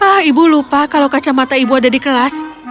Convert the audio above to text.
ah ibu lupa kalau kacamata ibu ada di kelas